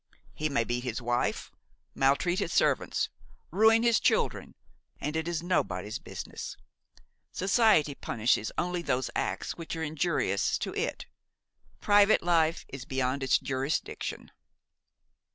He may beat his wife, maltreat his servants, ruin his children, and it is nobody's business. Society punishes only those acts which are injurious to it; private life is beyond its jurisdiction.